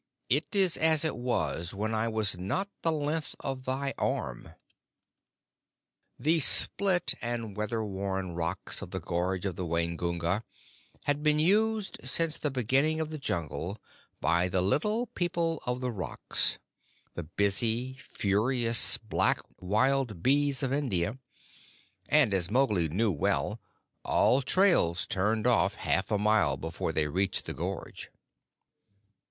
It is as it was when I was not the length of thy arm." The split and weatherworn rocks of the gorge of the Waingunga had been used since the beginning of the Jungle by the Little People of the Rocks the busy, furious, black wild bees of India; and, as Mowgli knew well, all trails turned off half a mile before they reached the gorge.